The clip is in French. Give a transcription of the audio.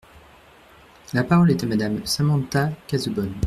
La parole est à Madame Samantha Cazebonne.